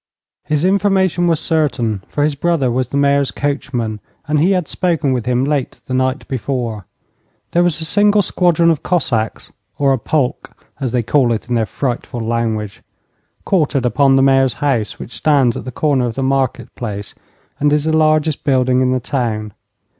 His information was certain, for his brother was the Mayor's coachman, and he had spoken with him late the night before. There was a single squadron of Cossacks or a polk, as they call it in their frightful language quartered upon the Mayor's house, which stands at the corner of the market place, and is the largest building in the town.